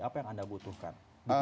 apa yang anda butuhkan